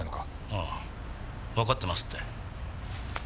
ああわかってますって。